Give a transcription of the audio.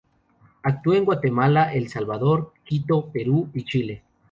Actuó en Guatemala, El Salvador, Quito, Perú y Chile.